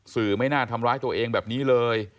ไม่น่าทำร้ายตัวเองแบบนี้เลย